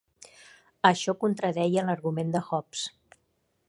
Això contradeia l'argument de Hobbes.